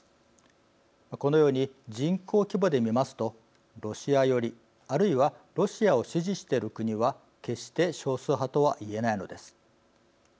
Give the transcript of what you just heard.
このように人口規模で見ますとロシア寄りあるいはロシアを支持している国は決して少数派とは言えないのです。